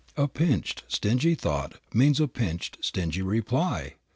A pinched, stingy thought means a pinched, stingy reply.